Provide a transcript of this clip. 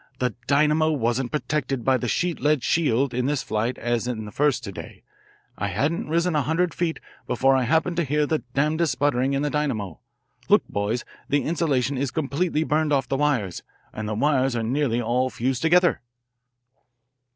The dynamo wasn't protected by the sheet lead shield in this flight as in the first to day. I hadn't risen a hundred feet before I happened to hear the darndest sputtering in the dynamo. Look, boys, the insulation is completely burned off the wires, and the wires are nearly all fused together."